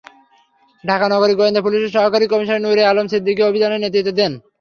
ঢাকা নগর গোয়েন্দা পুলিশের সহকারী কমিশনার নূরে আলম সিদ্দিকী অভিযানের নেতৃত্ব দেন।